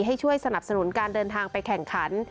ให้ช่วยสนับสนุนการเดินทางไปแข่งขัน